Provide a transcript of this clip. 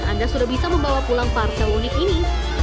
anda sudah bisa membawa pulang parsel unik ini